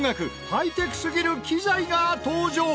ハイテクすぎる機材が登場！